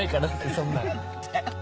そんなん。